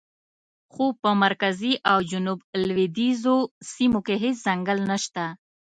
خو په مرکزي او جنوب لویدیځو سیمو کې هېڅ ځنګل نشته.